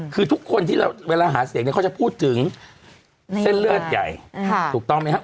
คือทุกคนที่เวลาหาเสียงเนี่ยเขาจะพูดถึงเส้นเลือดใหญ่ถูกต้องไหมครับ